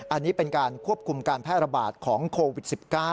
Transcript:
อันนี้เป็นการควบคุมการแพร่ระบาดของโควิด๑๙